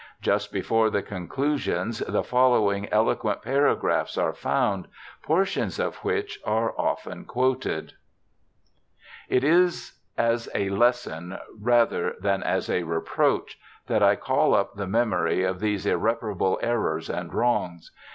Just before the conclusions the following elo quent paragraphs are found, portions of which are often quoted :' It is as a lesson rather than as a reproach that I call up the memory of these irreparable errors and wrongs.